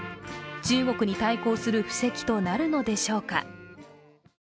中国に対抗する布石となるのでしょうか。